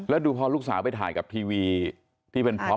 แล้วดูพอลูกสาวไปถ่ายกับทีวีที่เป็นพล็อป